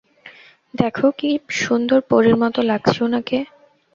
দেখো কি সুন্দর পরীর মত লাগছে উনাকে।